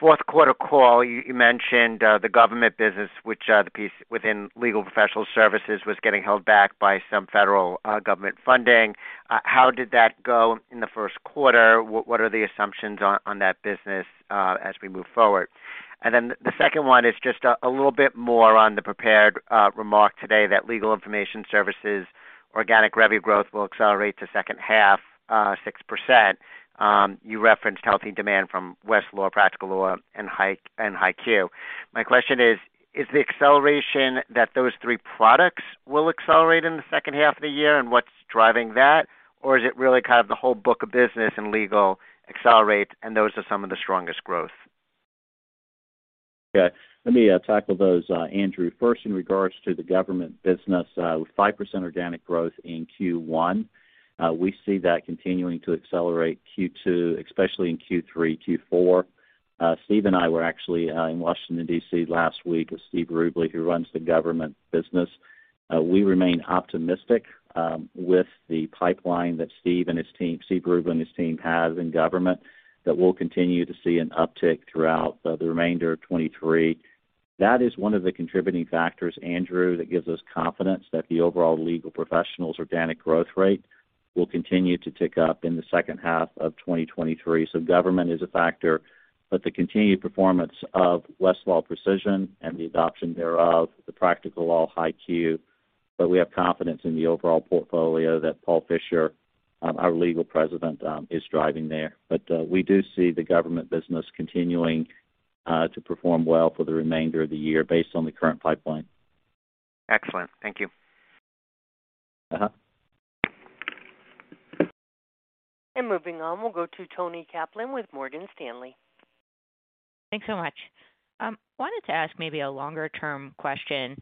fourth quarter call, you mentioned the government business, which the piece within Legal Professionals services was getting held back by some federal government funding. How did that go in the first quarter? What are the assumptions on that business as we move forward? The second one is just a little bit more on the prepared remark today that Legal Information Services organic revenue growth will accelerate to second half 6%. You referenced healthy demand from Westlaw, Practical Law, and HighQ. My question is the acceleration that those three products will accelerate in the second half of the year, and what's driving that? Is it really kind of the whole book of business and legal accelerates, and those are some of the strongest growth? Yeah. Let me tackle those, Andrew. First in regards to the government business, with 5% organic growth in Q1, we see that continuing to accelerate Q2, especially in Q3, Q4. Steve and I were actually in Washington, D.C. last week with Steve Rubley, who runs the government business. We remain optimistic with the pipeline that Steve Rubley and his team have in government, that we'll continue to see an uptick throughout the remainder of 23. That is one of the contributing factors, Andrew, that gives us confidence that the overall Legal Professionals organic growth rate will continue to tick up in the second half of 2023. Government is a factor, but the continued performance of Westlaw Precision and the adoption thereof, the Practical Law HighQ, but we have confidence in the overall portfolio that Paul Fischer, our Legal President, is driving there. We do see the government business continuing to perform well for the remainder of the year based on the current pipeline. Excellent. Thank you. Uh-huh. Moving on, we'll go to Toni Kaplan with Morgan Stanley. Thanks so much. wanted to ask maybe a longer-term question.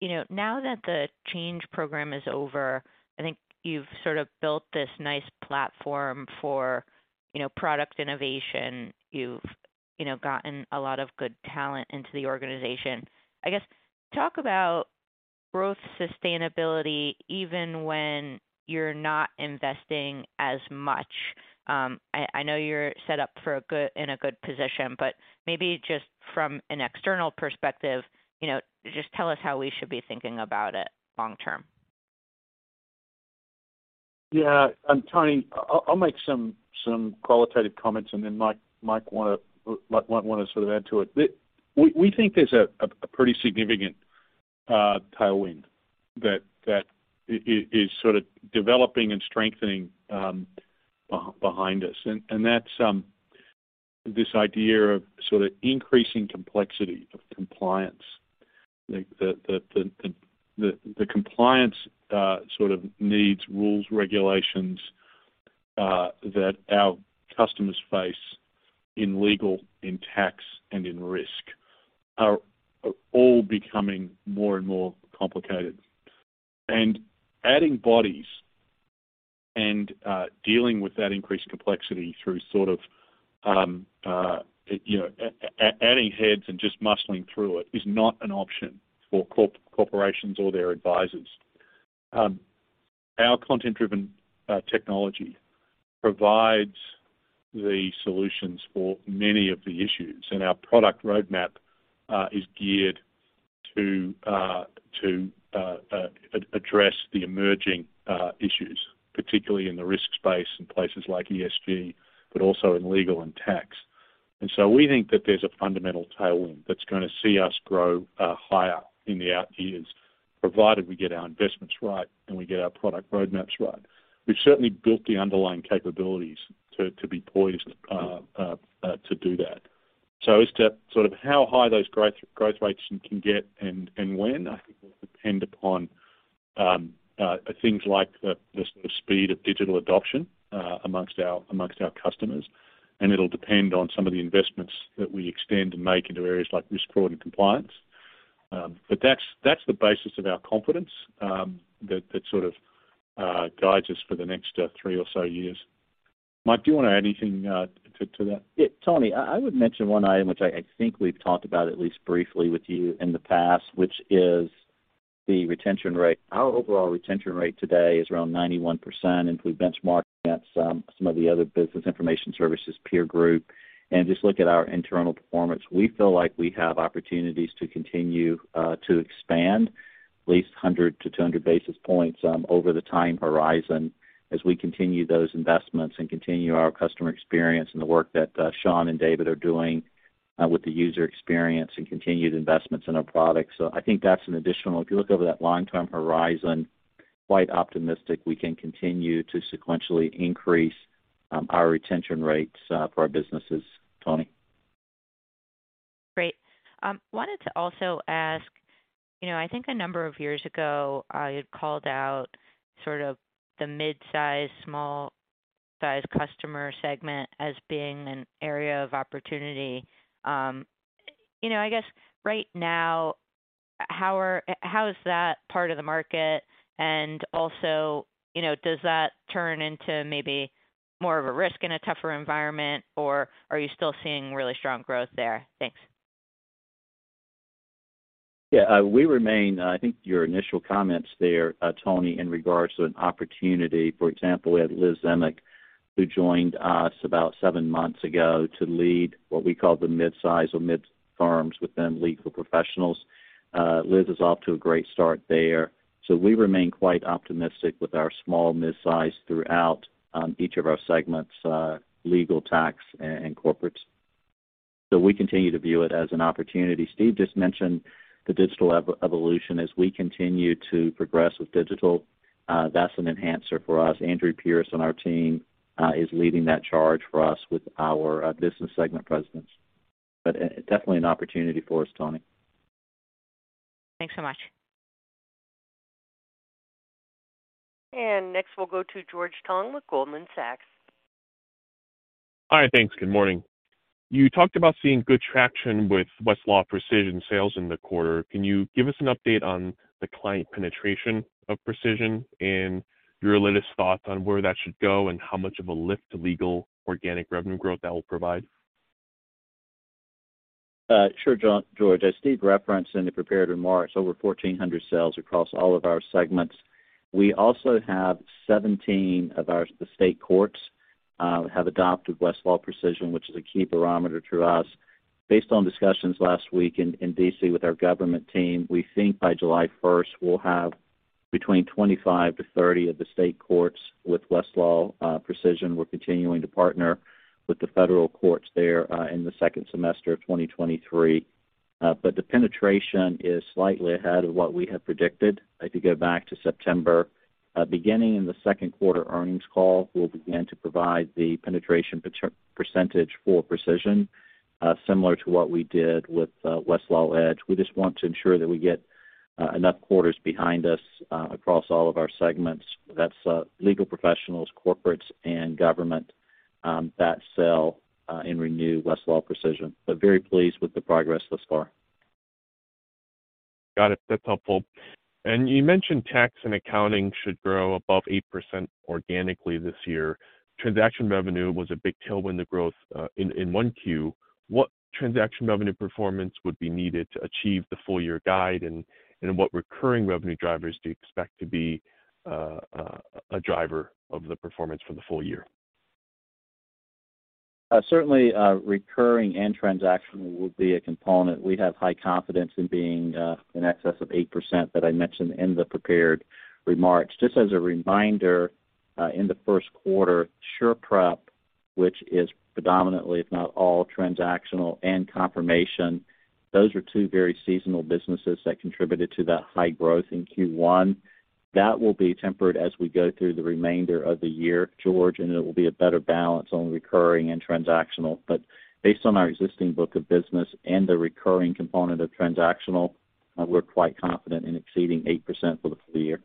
you know, now that the Change Program is over, I think you've sort of built this nice platform for, you know, product innovation. You've, you know, gotten a lot of good talent into the organization. I guess, talk about growth sustainability even when you're not investing as much. I know you're set up for in a good position, but maybe just from an external perspective, you know, just tell us how we should be thinking about it long term. Yeah, Toni, I'll make some qualitative comments, and then Mike might wanna sort of add to it. We think there's a pretty significant tailwind that is sort of developing and strengthening behind us. That's this idea of sort of increasing complexity of compliance. The compliance sort of needs, rules, regulations, that our customers face in legal, in tax, and in risk are all becoming more and more complicated. Adding bodies and dealing with that increased complexity through sort of, you know, adding heads and just muscling through it is not an option for corporations or their advisors. Our content-driven technology provides the solutions for many of the issues, our product roadmap is geared to address the emerging issues, particularly in the risk space in places like ESG, but also in legal and tax. We think that there's a fundamental tailwind that's gonna see us grow higher in the out years, provided we get our investments right and we get our product roadmaps right. We've certainly built the underlying capabilities to be poised to do that. As to sort of how high those growth rates can get and when, I think will depend upon things like the sort of speed of digital adoption amongst our customers. It'll depend on some of the investments that we extend and make into areas like risk, fraud, and compliance. That's the basis of our confidence that sort of guides us for the next three or so years. Mike, do you wanna add anything to that? Toni, I would mention one item, which I think we've talked about at least briefly with you in the past, which is the retention rate. Our overall retention rate today is around 91%, if we benchmark that some of the other business information services peer group and just look at our internal performance, we feel like we have opportunities to continue to expand at least 100 basis points-200 basis points over the time horizon as we continue those investments and continue our customer experience and the work that Sean and David are doing with the user experience and continued investments in our products. I think that's an additional... If you look over that long-term horizon, quite optimistic we can continue to sequentially increase our retention rates for our businesses, Toni. Great. wanted to also ask, you know, I think a number of years ago, you'd called out sort of the midsize, small size customer segment as being an area of opportunity. you know, I guess right now, how is that part of the market? Also, you know, does that turn into maybe more of a risk in a tougher environment, or are you still seeing really strong growth there? Thanks. Yeah, we remain. I think your initial comments there, Toni, in regards to an opportunity, for example, we have Liz Zimick, who joined us about seven months ago to lead what we call the midsize or mid firms within Legal Professionals. Liz is off to a great start there. We remain quite optimistic with our small midsize throughout each of our segments, Legal, Tax and Corporates. We continue to view it as an opportunity. Steve just mentioned the digital evolution as we continue to progress with digital. That's an enhancer for us. Andrew Pierce on our team is leading that charge for us with our business segment presidents. Definitely an opportunity for us, Toni. Thanks so much. Next, we'll go to George Tong with Goldman Sachs. Hi. Thanks. Good morning. You talked about seeing good traction with Westlaw Precision sales in the quarter. Can you give us an update on the client penetration of Precision and your latest thoughts on where that should go and how much of a lift to legal organic revenue growth that will provide? Sure, George. As Steve referenced in the prepared remarks, over 1,400 sales across all of our segments. We also have 17 of the state courts have adopted Westlaw Precision, which is a key barometer to us. Based on discussions last week in D.C. with our government team, we think by July 1st, we'll have between 25-30 of the state courts with Westlaw Precision. We're continuing to partner with the federal courts there in the second semester of 2023. The penetration is slightly ahead of what we had predicted, if you go back to September. Beginning in the second quarter earnings call, we'll begin to provide the penetration percentage for Precision, similar to what we did with Westlaw Edge. We just want to ensure that we get enough quarters behind us across all of our segments. That's Legal Professionals, Corporates, and Government that sell and renew Westlaw Precision. Very pleased with the progress thus far. Got it. That's helpful. You mentioned Tax & Accounting should grow above 8% organically this year. Transaction revenue was a big tailwind to growth in 1Q. What transaction revenue performance would be needed to achieve the full year guide, and what recurring revenue drivers do you expect to be a driver of the performance for the full year? Certainly, recurring and transactional will be a component. We have high confidence in being in excess of 8% that I mentioned in the prepared remarks. Just as a reminder, in the first quarter, SurePrep, which is predominantly, if not all, transactional and Confirmation, those are two very seasonal businesses that contributed to that high growth in Q1. That will be tempered as we go through the remainder of the year, George, and it will be a better balance on recurring and transactional. Based on our existing book of business and the recurring component of transactional, we're quite confident in exceeding 8% for the full year.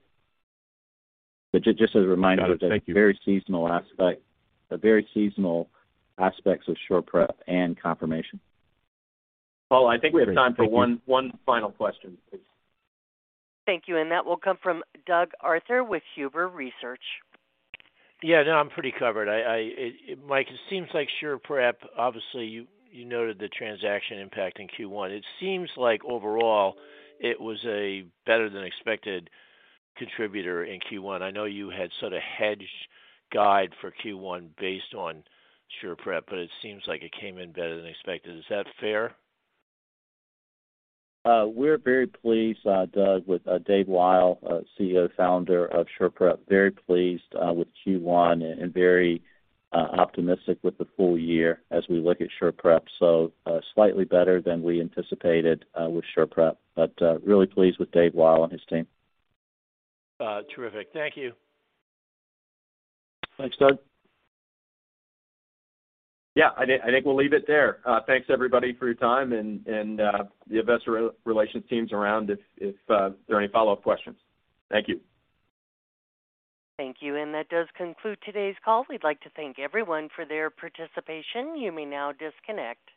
Just as a reminder. Got it. Thank you. There's a very seasonal aspects of SurePrep and Confirmation. Paul, I think we have time for one final question, please. Thank you, and that will come from Doug Arthur with Huber Research. Yeah. No, I'm pretty covered. Mike, it seems like SurePrep, obviously, you noted the transaction impact in Q1. It seems like overall it was a better than expected contributor in Q1. I know you had sort of hedged guide for Q1 based on SurePrep, but it seems like it came in better than expected. Is that fair? We're very pleased, Doug Arthur, with Dave Wyle, CEO, founder of SurePrep, very pleased with Q1 and very optimistic with the full year as we look at SurePrep. Slightly better than we anticipated with SurePrep, but really pleased with Dave Wyle and his team. Terrific. Thank you. Thanks, Doug. Yeah, I think we'll leave it there. Thanks everybody for your time, and the investor relations team's around if there are any follow-up questions. Thank you. Thank you, that does conclude today's call. We'd like to thank everyone for their participation. You may now disconnect.